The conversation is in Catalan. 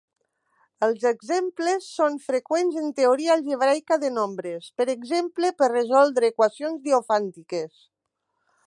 Els exemples són freqüents en teoria algebraica de nombres, per exemple per resoldre equacions diofàntiques.